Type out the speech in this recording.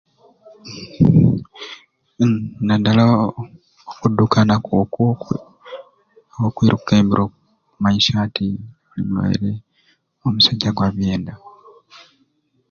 Hmm nadala okudukana nkokwo oba okwiruka ebiro kumanyisya nti oli mulwaire omusujja gwa byenda.